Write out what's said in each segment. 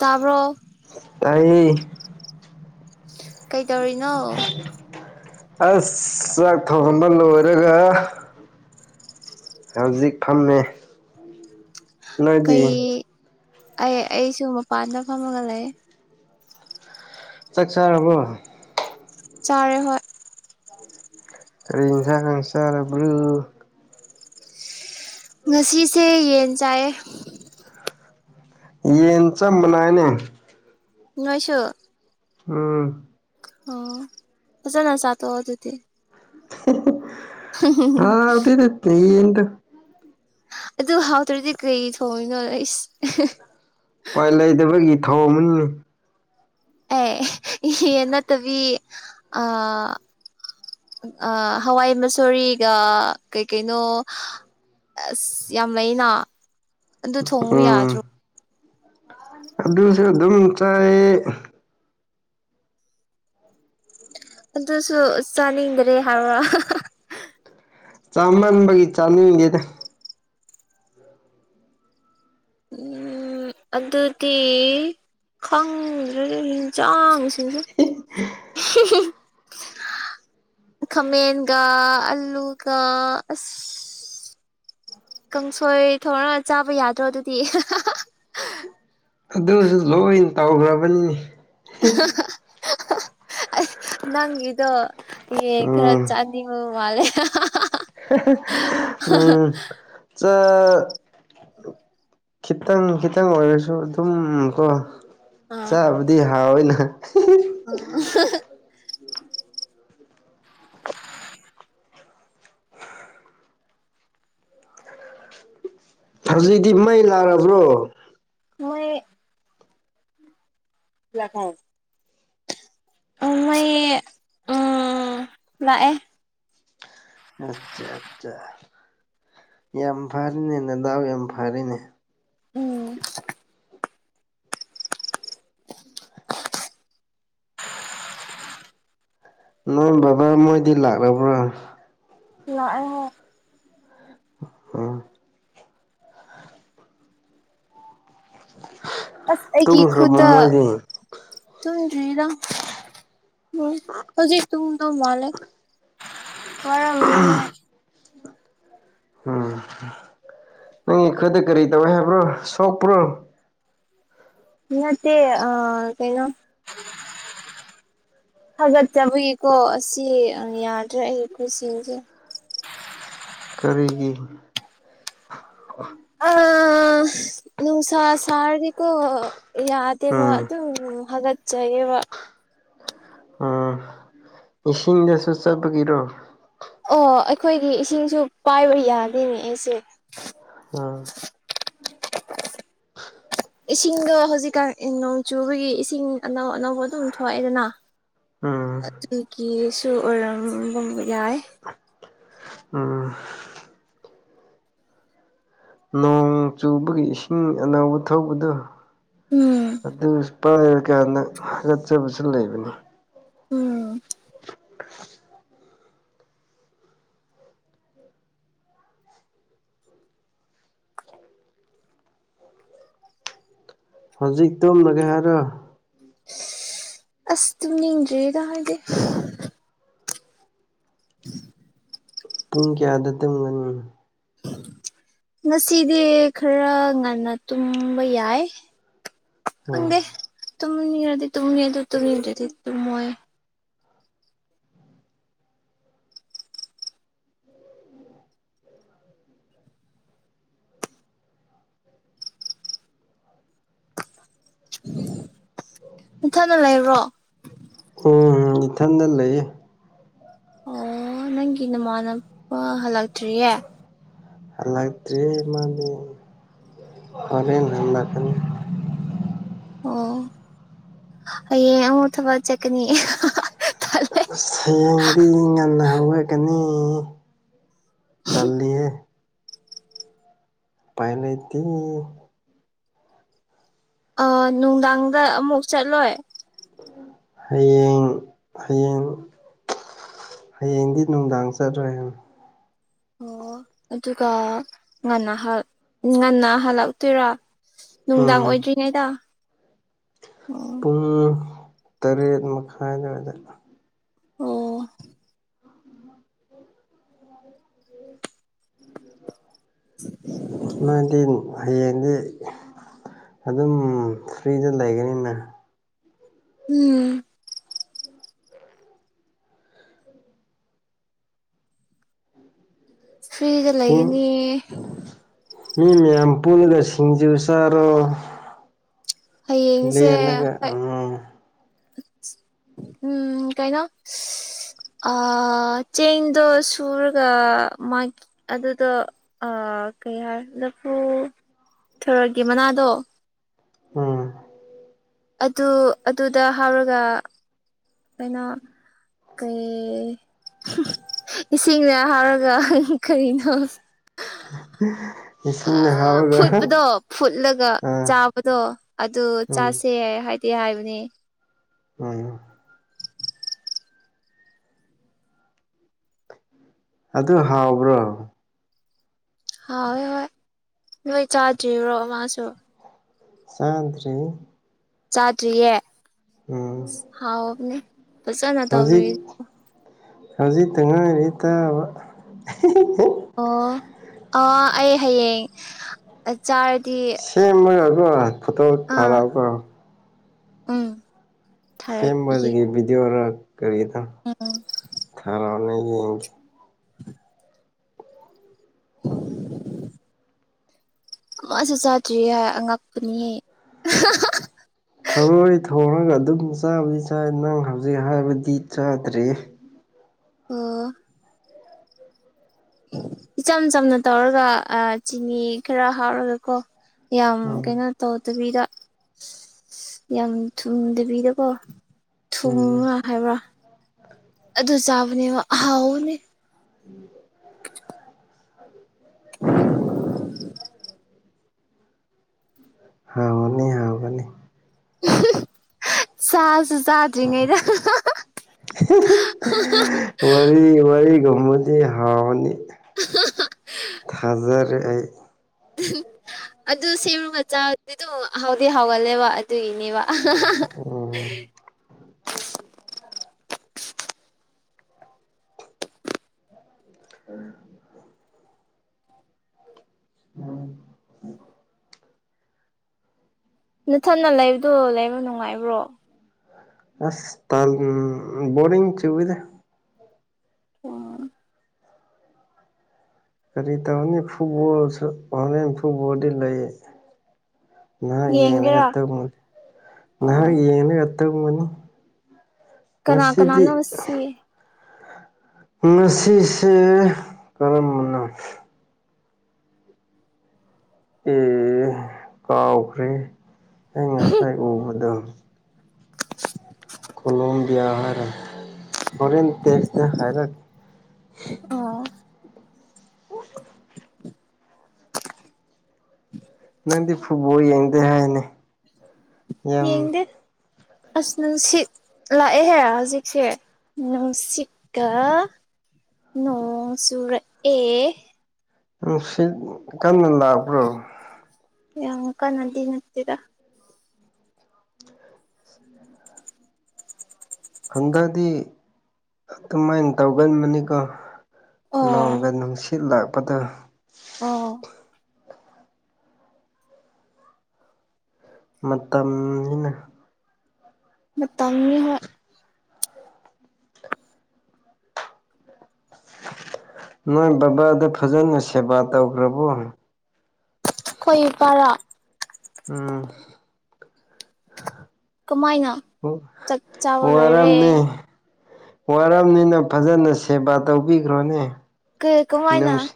ꯇꯥꯕ꯭ꯔꯣ꯫ ꯇꯥꯏꯌꯦ꯫ [inaudible] ꯑꯁ ꯆꯥꯛ ꯊꯣꯡꯉꯝꯕ ꯂꯣꯏꯔꯒ꯫ ꯍꯧꯖꯤꯛ ꯐꯝꯃꯦ꯫ ꯅꯣꯏꯗꯤ ꯀꯩ ꯑꯩ ꯑꯩꯁꯨ ꯃꯄꯥꯟꯗ ꯐꯝꯃꯒ ꯂꯩꯌꯦ꯫ ꯆꯥꯛ ꯆꯥꯔꯥꯕꯣ꯫ ꯆꯥꯔꯦ ꯍꯣꯏ꯫ ꯎꯝ [inaudible] ꯀꯩ ꯏꯟꯖꯥꯡ ꯆꯥꯔꯥꯕ꯭ꯔꯣ꯫ ꯉꯁꯤꯁꯦ ꯌꯦꯟ ꯆꯥꯏꯌꯦ꯫ ꯌꯦꯟ ꯆꯥꯞ ꯃꯅꯩꯌꯦꯅꯦ꯫ ꯅꯣꯏꯁꯨ꯫ ꯎꯝ꯫ ꯑꯣ ꯐꯖꯅꯥ‌ ꯆꯥꯊ‌ꯣꯛꯑ‌ꯣ ꯑꯗꯨꯗꯤ [unintelligible] ꯍꯥꯎꯇꯦꯗꯥ ꯌ‌ꯦꯟꯗꯨ ꯑꯗꯨ ꯍꯥꯎꯇ꯭ꯔꯗꯤ ꯀꯩꯒꯤ ꯊꯣꯡꯉꯤꯅꯣ ꯑꯁ [unintelligible] ꯎꯄꯥꯏ ꯂꯩꯇꯕꯒꯤ ꯊꯧꯡꯕꯅꯤꯅ‌ꯦ ꯑꯦ [unintelligible] ꯌꯦꯟ ꯅꯠꯇꯕꯤ ꯑꯥ ꯑꯥ ꯍꯋꯥꯏ ꯃꯨꯁꯣꯔꯤꯒ ꯀꯩ ꯀꯩꯅꯣ ꯑꯁ ꯌꯥꯝ ꯂꯩꯅ ꯑꯗꯨ ꯊꯣꯡꯉꯨ ꯎꯝ ꯌꯥꯗ꯭ꯔꯣ ꯑꯗꯨꯁꯨ ꯑꯗꯨꯝ ꯆꯥꯏꯌꯦ ꯑꯗꯨꯁꯨ ꯆꯥꯅꯤꯡꯗ꯭ꯔꯦ ꯍꯥꯏꯕ꯭ꯔꯥ ꯆꯥꯃꯟꯕꯒꯤ ꯆꯥꯅꯤꯡꯗꯦꯗ ꯎꯝ ꯑꯗꯨꯗꯤ ꯈꯪꯗ꯭ꯔ [unintelligible] ꯈꯥꯃꯦꯟꯒ ꯑꯂꯨꯒ ꯑꯁ ꯀꯪꯁꯣꯏ ꯊ‌ꯣꯡꯔ ꯆꯥꯕ ꯌꯥꯗ꯭ꯔꯣ ꯑꯗꯨꯗꯤ [unintelligible] ꯑꯗꯨꯁꯨ ꯂꯣꯏ ꯇꯧꯈ꯭ꯔꯕꯅꯤꯅ‌ꯦ [unintelligible] ꯅꯪꯒꯤꯗꯣ ꯌꯦꯟ ꯈꯔ ꯎꯝ ꯆꯥꯅꯤꯡꯕ ꯃꯥꯜꯂ‌ꯦ [unintelligible] [unintelligible] ꯎꯝ ꯆꯥ ꯈꯤꯇꯪ ꯈꯤꯇꯪ ꯑꯣꯏꯔꯁꯨ ꯑꯗꯨꯝ ꯀꯣ ꯆꯥꯕꯗꯤ ꯍꯥꯎꯏꯅ [unintelligible] ꯑꯣ [unintelligible] ꯍꯧꯖꯤꯛꯗꯤ ꯃꯩ ꯂꯥꯛꯂꯥꯕ꯭ꯔꯣ ꯃꯣꯏ [unintelligible] ꯑ ꯃꯩ ꯎꯝ ꯂꯥꯛꯑꯦ ꯑꯠꯆꯥ ꯑꯠꯆꯥ ꯌꯥꯝ ꯐꯔꯦꯅꯦ ꯅꯗꯥꯎ ꯌꯥꯝ ꯐꯔ‌ꯦꯅꯦ ꯎꯝ ꯅꯣꯏ ꯕꯕꯥ ꯃꯣꯏꯗꯤ ꯂꯥꯛꯂꯕ꯭ꯔꯥ ꯂꯥꯛꯑꯦ ꯍꯥꯏ ꯎꯝ ꯑꯁ ꯑꯩꯒꯤ ꯇꯨꯝꯈ꯭ꯔꯕ ꯈꯨꯠꯇ ꯃꯣꯏꯗꯤ ꯇꯨꯝꯗ꯭ꯔꯤꯗ ꯍꯧꯖꯤꯛ ꯇꯨꯝꯗꯧ ꯃꯥꯜꯂ‌ꯦ ꯋꯥꯔꯝꯅꯤ ꯃ‌ꯣꯏ ꯎꯝ ꯅꯪꯒꯤ ꯈꯨꯠꯇ ꯀꯔꯤ ꯇꯧꯏ ꯍꯥꯏꯕ꯭ꯔꯣ ꯁꯣꯛꯄ꯭ꯔꯣ ꯅꯠꯇ‌ꯦ ꯑꯥ ꯀꯩꯅꯣ ꯍꯒꯠꯆꯕꯒꯤꯀꯣ ꯑꯁꯤ ꯌꯥꯗ꯭ꯔꯦ ꯑꯩꯒꯤ ꯈꯨꯠꯁꯤꯡꯁꯦ ꯀꯔꯤꯒꯤ ꯑꯥ ꯅꯨꯡꯁꯥ ꯁꯥꯔꯗꯤꯀ‌ꯣ ꯌꯥꯗ‌ꯦꯕ ꯎꯝ ꯑꯗꯨꯝ ꯍꯒꯠꯆꯩꯌ‌ꯦꯕ ꯎꯝ ꯏꯁꯤꯡꯗꯁꯨ ꯆꯠꯄꯒꯤꯔꯣ ꯑꯣ ꯑꯩꯈꯣꯏꯒꯤ ꯏꯁꯤꯡꯁꯨ ꯄꯥꯏꯕ ꯌꯥꯗꯦꯅꯦ ꯑꯩꯁꯦ ꯎꯝ ꯏꯁꯤꯡꯗꯣ ꯍꯧꯖꯤꯛꯀꯥꯟ ꯅꯣꯡ ꯆꯨꯕꯒꯤ ꯏꯁꯤꯡ ꯑꯅꯧ ꯑꯅꯧꯕ ꯑꯗꯨꯝ ꯊꯣꯛꯑꯦꯗꯅ ꯎꯝ ꯑꯗꯨꯒꯤꯁꯨ ꯑꯣꯏꯔꯝꯕ ꯌꯥꯏ ꯎꯝ ꯅꯣꯡ ꯆꯨꯕꯒꯤ ꯏꯁꯤꯡ ꯑꯅꯧꯕ ꯊꯣꯛꯄꯗꯨ ꯎꯝ ꯑꯗꯨ ꯄꯥꯏꯔꯀꯥꯟꯗ ꯍꯥꯒꯠꯆꯕꯁꯨ ꯂꯩꯕꯅꯤ ꯎꯝ [unintelligible] ꯍꯧꯖꯤꯛ ꯇꯨꯝꯃꯥꯒꯦ ꯍꯥꯏꯔꯣ ꯑꯁ ꯇꯨꯝꯅꯤꯡꯗ꯭ꯔꯤꯗ ꯑꯩꯗꯤ ꯄꯨꯡ ꯀꯌꯥꯗ ꯇꯨꯝꯒꯅꯤ ꯉꯁꯤꯗꯤ ꯈꯔ ꯉꯟꯅ ꯇꯨꯝꯕ ꯌꯥꯏ ꯎꯝ ꯈꯪꯗꯦ ꯇꯨꯝꯅꯤꯡꯉꯗꯤ ꯇꯨꯝꯅꯤ ꯑꯗꯨ ꯇꯨꯝꯅꯤꯡꯗ꯭ꯔꯗꯤ ꯇꯨꯝꯃꯣꯏ ꯅꯊꯟꯇ ꯂꯩꯕꯔꯣ ꯎꯝ ꯏꯊꯟꯗ ꯂꯩꯌꯦ ꯑꯣ ꯅꯪꯒꯤ ꯅꯃꯥꯟꯅꯕ ꯍꯜꯂꯛꯇ꯭ꯔꯤꯌꯦ ꯍꯜꯂꯛꯇ꯭ꯔꯤ ꯃꯥꯗꯤ ꯍꯣꯔꯦꯟ ꯍꯜꯂꯛꯀꯅꯤ ꯑꯣ ꯍꯌꯦꯡ ꯑꯃꯨꯛ ꯊꯕꯛ ꯆꯠꯀꯅꯤ ꯍꯌꯦꯡꯗꯤ ꯉꯟꯅ ꯍꯜꯂꯛꯀꯅꯤ ꯇꯜꯂꯤꯍꯦ ꯎꯄꯥꯏ ꯂꯩꯇꯦ ꯑ ꯅꯨꯡꯗꯥꯡꯗ ꯑꯃꯨꯛ ꯆꯠꯂꯣꯏ ꯍꯌꯦꯡ ꯍꯌꯦꯡ ꯍꯌꯦꯡꯗꯤ ꯅꯨꯡꯗꯥꯡ ꯆꯠꯔꯣꯏ ꯑꯣ ꯑꯗꯨꯒ ꯉꯟꯅ ꯍꯜ ꯉꯟꯅ ꯍꯜꯂꯛꯇꯣꯏꯔꯥ ꯅꯨꯡꯗꯥꯡ ꯎꯝ ꯑꯣꯏꯗ꯭ꯔꯤꯉꯩꯗ ꯄꯨꯡ ꯇꯔꯦꯠ ꯃꯈꯥꯏ ꯑꯗꯨꯋꯥꯏꯗ ꯑꯣ [inaudible] ꯅꯣꯏꯗꯤ ꯍꯌꯦꯡꯗꯤ ꯑꯗꯨꯝ ꯐ꯭ꯔꯤꯗ ꯂꯩꯒꯅꯤꯅ ꯎꯝ ꯐ꯭ꯔꯤꯗ ꯁꯤꯡ ꯂꯩꯒꯅꯤ ꯃꯤ ꯃꯌꯥꯝ ꯄꯨꯜꯂꯒ ꯁꯤꯡꯖꯨ ꯆꯥꯔꯣ ꯍꯌꯦꯡꯁꯦ ꯂꯦꯜꯂꯒ ꯍꯣꯏ ꯎꯝ ꯎꯝ ꯀꯩꯅꯣ ꯑ ꯆꯦꯡꯗꯣ ꯁꯨꯔꯒ ꯃꯥꯒꯤ ꯑꯗꯨꯗꯣ ꯑꯥ ꯀꯩ ꯍꯥꯏ ꯂꯐꯨ ꯊꯔꯣꯏꯒꯤ ꯃꯅꯥꯗꯣ ꯎꯝ ꯑꯗꯨ ꯑꯗꯨꯗ ꯍꯥꯞꯔꯒ ꯀꯩꯅꯣ ꯀꯩ ꯏꯁꯤꯡꯅ ꯍꯥꯏꯔꯒ ꯀꯔꯤꯅꯣ [unintelligible] ꯑ ꯍꯥꯞꯔꯒ ꯐꯨꯠꯄꯗꯣ ꯐꯨꯠꯂꯒ ꯑꯥ ꯆꯥꯕꯗꯣ ꯑꯗꯨ ꯎꯝ ꯆꯥꯁꯦ ꯍꯥꯏ ꯇꯦ ꯍꯥꯏꯕꯅꯦ ꯎꯝ ꯑꯗꯨ ꯍꯥꯎꯕ꯭ꯔꯣ ꯍꯥꯎꯋꯦ ꯍꯣꯏ ꯅꯣꯏ ꯆꯥꯗ꯭ꯔꯤꯕꯣ ꯃꯥꯁꯨ ꯆꯥꯗ꯭ꯔꯤ ꯆꯥꯗ꯭ꯔꯤꯌꯦ ꯎꯝ ꯑꯁ ꯍꯥꯎꯕꯅꯦ ꯐꯖꯅ ꯍꯧꯖꯤꯛ ꯇꯧꯕꯤꯔꯤ ꯍꯧꯖꯤꯛꯇ ꯉꯥꯏꯔꯤ ꯇꯥꯕ ꯑꯣ ꯑ ꯑꯩ ꯍꯌꯦꯡ ꯆꯥꯔꯗꯤ ꯁꯦꯝꯃꯒ ꯀꯣ ꯐꯣꯇꯣ ꯑꯥ ꯊꯥꯔꯛꯑꯣ ꯀꯣ ꯎꯝ ꯊꯥꯔꯛꯄꯤꯒꯦ ꯁꯦꯝꯕꯗꯤꯒꯤ ꯚꯤꯗꯤꯌꯣꯔ ꯀꯔꯤꯅꯣ ꯎꯝ ꯊꯔꯛꯑꯣꯅꯦ ꯌꯦꯡꯒꯦ [unintelligible] ꯃꯥꯁꯨ ꯆꯥꯗ꯭ꯔꯤꯌꯦ ꯑꯉꯛꯄꯅꯤꯍꯦ ꯊꯔꯣꯏ ꯊꯣꯡꯉꯒ ꯑꯗꯨꯝ ꯆꯥꯕꯨꯗꯤ ꯆꯥꯏ ꯅꯪ ꯍꯧꯖꯤꯛ ꯍꯥꯏꯕꯗꯤ ꯆꯥꯗ꯭ꯔꯔꯤ ꯑꯣ ꯏꯆꯝ ꯆꯝꯅ ꯇꯧꯔꯒ ꯆꯤꯅꯤ ꯈꯔ ꯍꯥꯞꯔꯒ ꯀꯣ ꯌꯥꯝ ꯎꯝ ꯀꯩꯅꯣ ꯇꯧꯗꯕꯤꯗ ꯌꯥꯝ ꯊꯨꯝꯗꯕꯤꯗꯀꯣ ꯎꯝ [unintelligible] ꯍꯥꯏꯕ꯭ꯔꯥ ꯑꯗꯨ ꯆꯥꯕꯅꯤꯕ ꯑꯍꯥꯎꯕꯅꯤ ꯑꯨꯝ [unintelligible] ꯍꯥꯎꯅꯤꯍꯦ ꯆꯁꯨ ꯆꯥꯗ꯭ꯔꯤꯉꯩꯗ ꯋꯥꯔꯤ ꯋꯥꯔꯤ ꯒꯨꯝꯕꯗꯤ ꯍꯥꯎꯅꯤ ꯊꯖꯔꯦ ꯑꯩ ꯑꯗꯨ ꯁꯦꯝꯒ ꯆꯥꯕꯗꯤ ꯑꯗꯨꯝ ꯍꯥꯎꯗꯤ ꯍꯥꯎꯒꯜꯂꯦꯕ ꯑꯗꯨꯏꯅꯦꯕ ꯎꯝ [unintelligible] [unintelligible] ꯅꯊꯟꯅ ꯂꯩꯕꯗꯣ ꯂꯩꯕ ꯅꯨꯡꯉꯥꯏꯕ꯭ꯔꯣ ꯑꯁ ꯇꯟ ꯕꯣꯔꯤꯡ ꯆꯨꯏꯌꯦꯅꯦ ꯑꯣ ꯀꯔꯤ ꯇꯧꯅꯤ ꯐꯨꯠꯕꯣꯜꯁꯨ ꯍꯧꯔꯦꯟ ꯐꯨꯠꯕꯣꯜꯗꯤ ꯂꯩ ꯉꯥꯏꯍꯥꯛ ꯌꯦꯡꯂꯒ ꯌꯦꯡꯒꯦꯔꯥ ꯇꯨꯝꯂꯅꯤ ꯑꯣ ꯅꯍꯥꯛ ꯌꯦꯡꯉꯒ ꯇꯨꯝꯂꯅꯤ ꯀꯅꯥ ꯉꯁꯤꯗꯤ ꯀꯅꯥꯅꯣ ꯁꯤ ꯉꯁꯤꯁꯦ ꯀꯔꯝꯕꯅꯣ ꯑꯦ ꯀꯥꯎꯈ꯭ꯔꯦ ꯑꯩ ꯉꯁꯥꯏ ꯎꯕꯗꯣ [unintelligible] ꯀꯂꯣꯝꯕꯤꯌ ꯍꯔ ꯍꯧꯔꯦꯟ ꯇꯦꯛ꯭ꯁꯇ ꯍꯔꯛ ꯑꯣ [unintelligible] ꯅꯪꯗꯤ ꯐꯨꯠꯕꯣꯜ ꯌꯦꯡꯗꯦ ꯍꯥꯏꯅꯦ ꯌꯥꯝ ꯌꯦꯡꯗꯦ ꯑꯁ ꯅꯨꯡꯁꯤꯠ ꯂꯥꯛꯑꯦꯍꯦ ꯍꯧꯖꯤꯛꯁꯦ ꯅꯨꯡꯁꯤꯠꯀ ꯅꯣꯡ ꯆꯨꯔꯛꯑꯦ ꯅꯨꯡꯁꯤꯠ ꯀꯟꯅ ꯂꯥꯛꯄ꯭ꯔꯣ ꯌꯥꯝ ꯀꯟꯅꯗꯤ ꯅꯠꯇꯦꯗ [unintelligible] ꯈꯪꯗꯗꯤ ꯑꯗꯨꯃꯥꯏꯅ ꯇꯧꯒꯟꯕꯅꯤꯀꯣ ꯑꯣ ꯅꯣꯡꯒ ꯅꯨꯡꯁꯤꯠ ꯂꯥꯛꯄꯗ ꯑꯥꯎ ꯃꯇꯝ ꯅꯤꯅ ꯃꯇꯝꯅꯤꯅ ꯅꯣꯏ ꯕꯕꯥꯗꯣ ꯐꯖꯅ ꯁꯦꯕꯥ ꯇꯧꯈ꯭ꯔꯕꯣ ꯑꯩꯈꯣꯏ ꯏꯄꯔꯣ ꯑꯨꯝ ꯀꯃꯥꯏꯅ ꯑꯣ ꯆꯥꯛ ꯑꯣ ꯆꯥꯕ ꯋꯔꯝꯅꯤ ꯂꯣꯏꯔꯦ ꯋꯥꯔꯝꯅꯤꯅ ꯐꯖꯅ ꯁꯦꯕꯥ ꯇꯧꯕꯤꯈ꯭ꯔꯣꯅꯦ ꯀ ꯀꯃꯥꯏꯅ ꯅꯨꯡꯁꯤ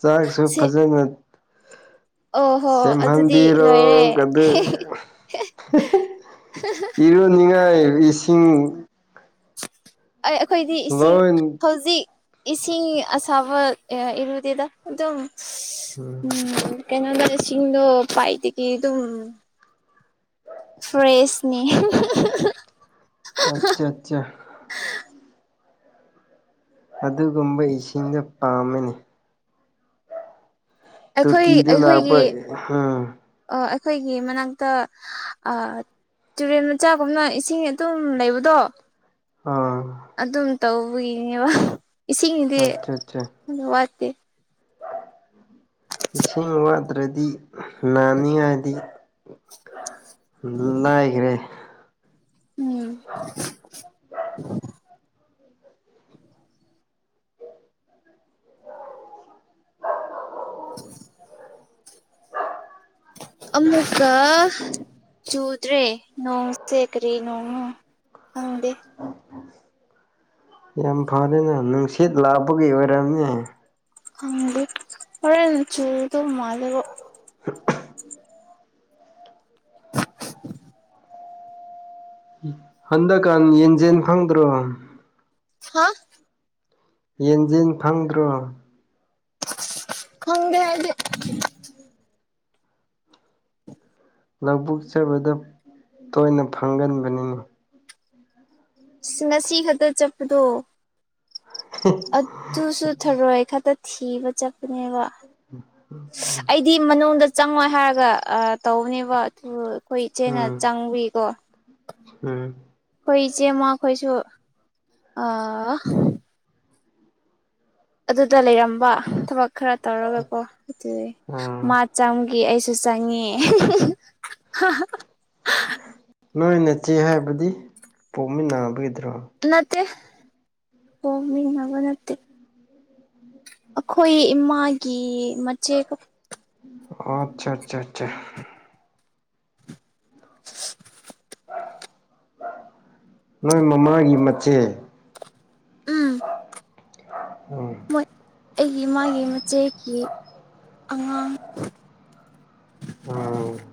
ꯆꯥꯛꯁꯨ ꯁꯤ ꯐꯖꯅ ꯑꯣꯍꯣ ꯑꯗꯨꯗꯤ ꯁꯦꯝꯍꯟꯕꯤꯔꯣ ꯂꯣꯏꯔꯦ ꯀꯗ [unintelligible] ꯏꯔꯨꯅꯤꯡꯉꯥꯏ ꯏꯁꯤꯡ ꯑꯩ ꯑꯩꯈꯣꯏꯗꯤ ꯏꯁꯤꯡ ꯂꯣꯏ ꯍꯧꯖꯤꯛ ꯏꯁꯤꯡ ꯑꯁꯥꯕ ꯏꯔꯨꯗꯦꯗ ꯑꯗꯨꯝ ꯎꯝ ꯑꯨꯝ ꯀꯩꯅꯣꯗ ꯏꯁꯤꯡꯗꯣ ꯄꯥꯏꯞꯇꯒ ꯑꯗꯨꯝ ꯐ꯭ꯔꯦꯁꯅꯤ ꯑꯆꯥꯆꯥ ꯑꯗꯨꯒꯨꯝꯕ ꯏꯁꯤꯡꯗ ꯄꯥꯝꯃꯦꯅꯤ ꯑꯩꯈꯣꯏ ꯇꯣꯇꯤꯗ ꯑꯩꯈꯣꯏꯒꯤ ꯂꯥꯛꯄ ꯎꯝ ꯑ ꯑꯩꯈꯣꯏꯒꯤ ꯃꯅꯥꯛꯇ ꯑꯥ ꯇꯨꯔꯦꯟ ꯃꯆꯥꯒꯨꯝꯅ ꯏꯁꯤꯡ ꯑꯗꯨꯝ ꯂꯩꯕꯗꯣ ꯑꯥ ꯑꯗꯨꯝ ꯇꯧꯕꯒꯤꯅꯦꯕ ꯏꯁꯤꯡꯗꯤ ꯑꯠꯆꯥ ꯑꯠꯆꯥ [unintelligible] ꯏꯁꯤꯡ ꯋꯥꯠꯇ꯭ꯔꯗꯤ ꯅꯥꯅꯤꯉꯥꯏꯗꯤ [unintelligible] ꯎꯝ [inaudible] ꯑꯃꯨꯛꯀ ꯆꯨꯗ꯭ꯔꯦ ꯅꯣꯡꯁꯦ ꯀꯔꯤ ꯅꯣꯡꯅꯣ ꯈꯪꯗꯦ ꯌꯥꯝ ꯐꯔꯦꯅꯦ ꯅꯨꯡꯁꯤꯠ ꯂꯥꯛꯄꯒꯤ ꯑꯣꯏꯔꯝꯅꯤ ꯈꯪꯗꯦ ꯍꯔꯦꯟ ꯆꯨꯗꯧ ꯃꯥꯂꯦꯕ [inaudible] ꯍꯟꯗꯛꯀꯥꯟ ꯌꯦꯟꯖꯦꯟ ꯐꯪꯗ꯭ꯔꯣ ꯍꯥ ꯌꯦꯟꯖꯤꯟ ꯈꯪꯗ꯭ꯔꯣ ꯈꯪꯗꯦ ꯑꯩꯗꯤ ꯂꯧꯕꯨꯛ ꯆꯠꯕꯗ ꯇꯣꯏꯅ ꯐꯪꯒꯟꯕꯅꯤꯅꯦ ꯁꯤ ꯉꯁꯤ ꯈꯛꯇ ꯆꯠꯄꯗꯣ ꯑꯗꯨꯁꯨ ꯊꯔꯣꯏ ꯈꯛꯇ ꯊꯤꯕ ꯆꯠꯄꯅꯦꯕ ꯑꯩꯗꯤ ꯃꯅꯨꯡꯗ ꯆꯪꯉꯣꯏ ꯍꯥꯏꯔꯒ ꯑ ꯇꯧꯕꯅꯦꯕ ꯑꯗꯨ ꯑꯩꯈꯣꯏ ꯏꯆꯦꯅ ꯎꯝ ꯆꯪꯕꯤꯀꯣ ꯎꯝ ꯑꯩꯈꯣꯏ ꯏꯆꯦꯃ ꯈꯣꯏꯁꯨ ꯑ ꯑꯗꯨꯗ ꯂꯩꯔꯝꯕ ꯊꯕꯛ ꯈꯔ ꯇꯧꯔꯒꯀꯣ ꯑꯗꯨ ꯎꯝ ꯃꯥ ꯆꯥꯝꯒꯤ ꯑꯩ ꯁꯨ ꯆꯉꯦ [unintelligible] ꯅꯣꯏ ꯅꯆꯦ ꯍꯥꯏꯕꯗꯤ ꯄꯣꯛꯃꯤꯟꯅꯕꯩꯗ꯭ꯔꯣ ꯅꯠꯇꯦ ꯄꯣꯛꯃꯤꯟꯅꯕ ꯅꯠꯇꯦ ꯑꯩꯈꯣꯏ ꯏꯃꯥꯒꯤ ꯃꯆꯦ ꯑꯣ ꯑꯠꯆꯥꯆꯥꯆꯥ ꯅꯣꯏ ꯃꯃꯥꯒꯤ ꯃꯠꯆꯦ ꯎꯝ ꯎꯝ ꯃꯣꯏ ꯑꯩꯒꯤ ꯏꯃꯥꯒꯤ ꯃꯆꯦꯒꯤ ꯑꯉꯥꯡ ꯎꯝ